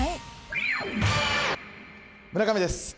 村上です。